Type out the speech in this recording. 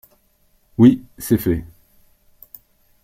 Oui, c’est fait.